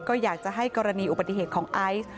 ก็อยากจะให้กรณีอุบัติเหตุของไอซ์